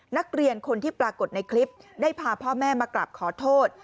นักเรียนคนที่ปรากฏในคลิปได้พาพ่อแม่มากลับขอโทษ